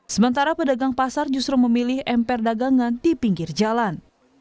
sementara pedagang pasar justru memilih emper dagangan di pinggir jalan